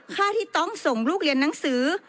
ค่าที่ต้องส่งลูกเรียนหนังสือ